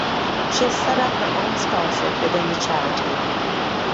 She has set up her own scholarship within the charity.